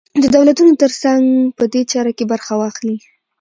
د دولتونو تر څنګ په دې چاره کې برخه واخلي.